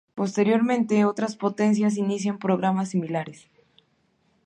Posteriormente otras potencias inician programas similares.